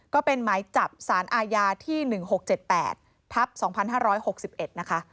ก็เป็นหมายจับสารอาญาที่๑๖๗๘ทับ๒๕๖๑นะคะ